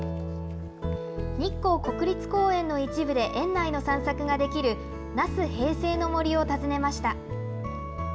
日光国立公園の一部で園内の散策ができる那須平成の森を訪ねました。